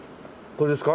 これですか？